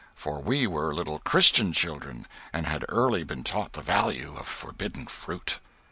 For we were little Christian children, and had early been taught the value of forbidden fruit.